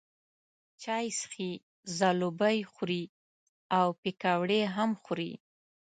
چای څښي، ځلوبۍ خوري او پیکوړې هم خوري.